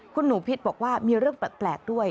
คุณหนูพิษบอกว่ามีเรื่องแปลกด้วย